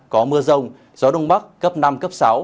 có mưa rông gió đông bắc cấp năm cấp sáu